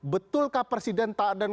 betulkah presiden tak ada